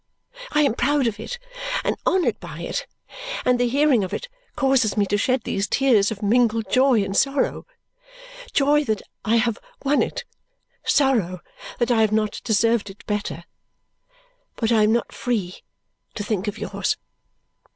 I am proud of it, and honoured by it; and the hearing of it causes me to shed these tears of mingled joy and sorrow joy that I have won it, sorrow that I have not deserved it better; but I am not free to think of yours."